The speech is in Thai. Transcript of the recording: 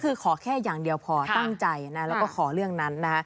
คือขอแค่อย่างเดียวพอตั้งใจนะแล้วก็ขอเรื่องนั้นนะฮะ